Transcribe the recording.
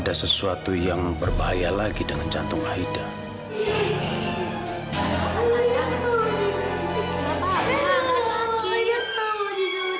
kesempatan mikrokosma dan artificial attempted treatment e balik